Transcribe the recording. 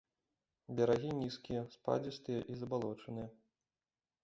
Берагі нізкія, спадзістыя і забалочаныя.